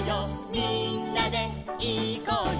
みんなでいこうよ」